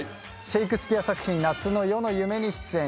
シェイクスピア作品『夏の夜の夢』に出演します。